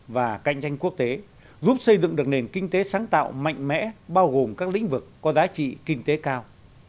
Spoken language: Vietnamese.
và cạnh tranh quốc tế giúp xây dựng được nền kinh tế sáng tạo mạnh mẽ bao gồm các lĩnh vực có giá trị kinh tế cao